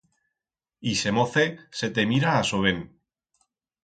Ixe mocet se te mira a sobén.